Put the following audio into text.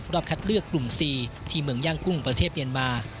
คัดเลือกกลุ่ม๔ที่เมืองย่างกุ้งประเทศเมียนมา